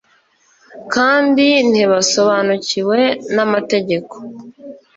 kandi ntibasobanukiwe n'amategeko